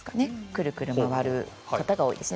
くるくる回る方が多いです。